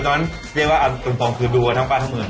ตอนนั้นเรียกว่าเอาตรงคือดูกันทั้งบ้านทั้งเมือง